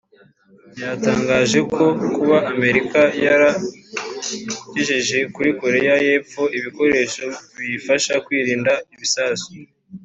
byatangaje ko kuba Amerika yaragejeje muri Korea y’Epfo ibyo bikoresho biyifasha kwirinda ibisasu